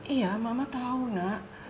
iya mama tau nak